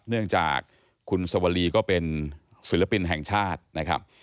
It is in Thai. เนื่องจากคุณสวรีก็เป็นศิลปินแห่งชาตินะครับ